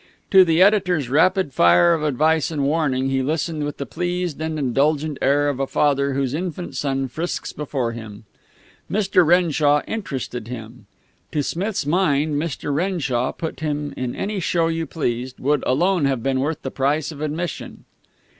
To the editor's rapid fire of advice and warning he listened with the pleased and indulgent air of a father whose infant son frisks before him. Mr. Renshaw interested him. To Smith's mind Mr. Renshaw, put him in any show you pleased, would alone have been worth the price of admission.